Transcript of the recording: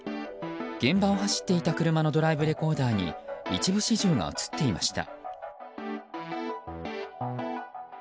現場を走っていた車のドライブレコーダーに一部始終が映っていました。